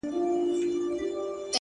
د سړک څنډه تل د تګ او تم ترمنځ وي